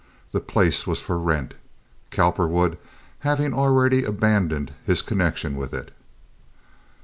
The place was for rent, Cowperwood having already abandoned his connection with it.